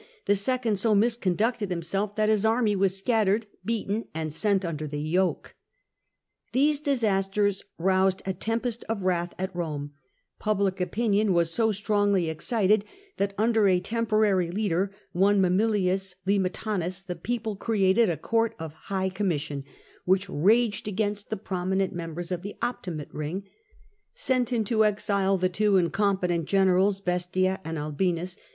The second so misconducted himself that his army was scattered, beaten, and sent under the yoke. These disasters roused a tempest of wrath at Rome; public opinion was so strongly escited that under a temporary leader — one Mamilius Limetanus — the people created a Court of High Commission, which raged against the prominent members of the Optimate ring, sent into exile the two incapable generals Bestia and Albinns.